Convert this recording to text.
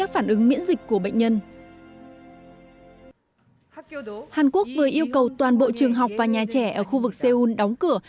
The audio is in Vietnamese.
hàn quốc vừa yêu cầu toàn bộ trường học và nhà trẻ ở khu vực seoul đóng cửa